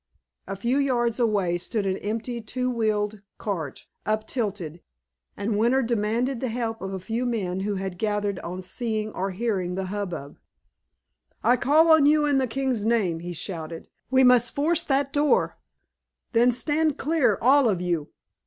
A few yards away stood an empty, two wheeled cart, uptilted, and Winter demanded the help of a few men who had gathered on seeing or hearing the hubbub. "I call on you in the King's name!" he shouted. "We must force that door! Then stand clear, all of you!"